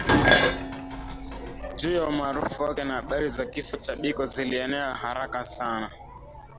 Juu ya umaarufu wake na habari za kifo cha Biko zilienea haraka sana